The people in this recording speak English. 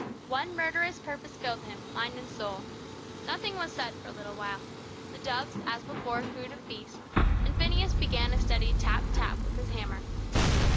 One murderous purpose filled him, mind and soul. Nothing was said for a little while. The doves as before cooed of peace, and Phineas began a steady tap tap with his hammer.